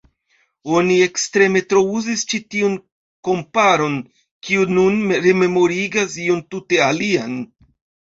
Oni ekstreme trouzis ĉi tiun komparon, kiu nun rememorigas ion tute alian.